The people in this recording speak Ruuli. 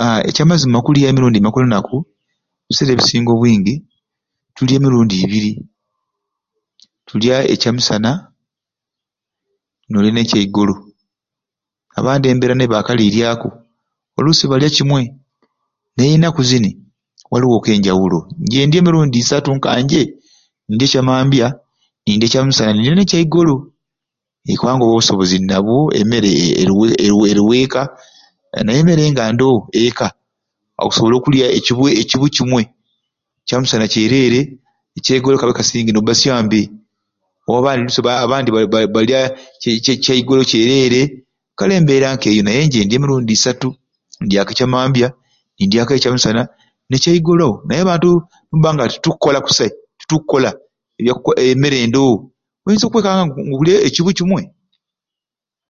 Aaa ekyamazima okulya emirundi imekai olunaku ebiseera ebisinga obwingi tulya emirimu ibiri, tulya ekyamisana n'olya ne kyeigolo. Abandi embeera nebaakaliiryaku oluusi balya kimwe naye ennaku zini waliwo ke enjawulo. Nje ndya emirundi isatu ka nje, ndya ekyamambya nindya ekyamisana nindya ne kyaigolo ee kubanga obusobozi ninabwo emmere eriwo eriwo eriwo eka naye emmere nga ndoowo eka okusobola okulya ekibwe ekibu kimwe kyamisana kyerere ekyaigolo kabe kasinge n'obbasya mbe abandi Bali Bali balya Kya kyai kyaigolo kyerere kale embeera k'eyo naye nje ndya emirundi isatu, ndya ku ekyamambya nindyaku ekyamisana ne kyaigolo naye abantu nitubba nga titukkola kusai titukkola emmere ndoowo oinza okwesanga nga olya ekibu kimwe.